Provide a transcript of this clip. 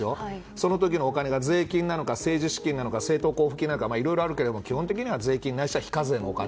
その時のお金が税金なのか政治資金なのか政党交付金なのかいろいろあるけども基本的には税金ないしは非課税のお金。